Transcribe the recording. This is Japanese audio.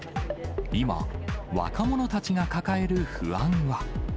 今、若者たちが抱える不安は。